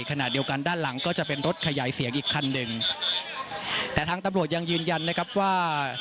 ขณะเดียวกันด้านหลังก็จะเป็นรถขยายเสียงอีกคันหนึ่งแต่ทางตำรวจยังยืนยันนะครับว่า